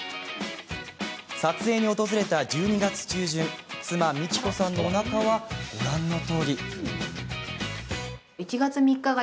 撮影に訪れた１２月中旬妻・美貴子さんのおなかはご覧のとおり。